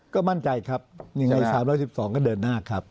ก็มั่นใจครับยังไง๓๑๒ก็เดินหน้าครับ